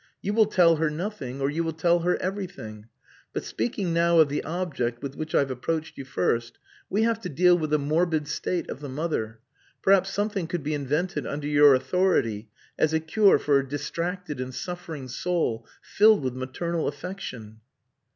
You will tell her nothing or you will tell her everything. But speaking now of the object with which I've approached you first, we have to deal with the morbid state of the mother. Perhaps something could be invented under your authority as a cure for a distracted and suffering soul filled with maternal affection."